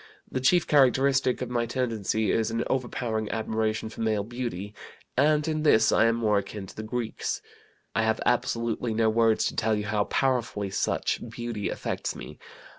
The chief characteristic of my tendency is an overpowering admiration for male beauty, and in this I am more akin to the Greeks. "I have absolutely no words to tell you how powerfully such beauty affects me.